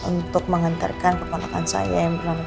untuk menghentarkan keponokan saya yang bernama kiesya